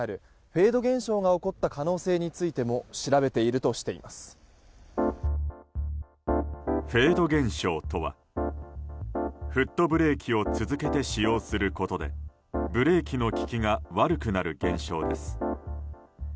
フェード現象とはフットブレーキを続けて使用することでブレーキの利きが悪くなる現象です。